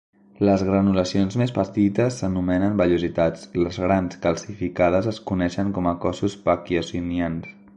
Les granulacions més petites s'anomenen "vellositats"; les grans calcificades es coneixen com a cossos pacchionians.